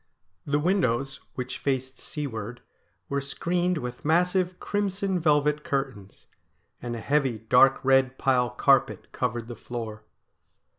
The windows, which faced seaward, were screened with massive crimson velvet curtains, and a heavy dark red pile carpet covered the floor.